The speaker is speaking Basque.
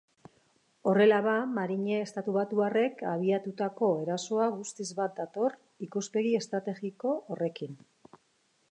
Horrela ba, marine estatubatuarrek abiatutako erasoa guztiz bat dator ikuspegi estrategiko horrekin.